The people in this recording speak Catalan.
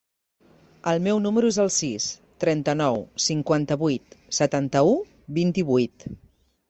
El meu número es el sis, trenta-nou, cinquanta-vuit, setanta-u, vint-i-vuit.